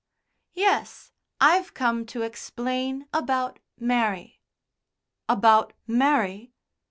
"Yes, I've come to explain about Mary." "About Mary?"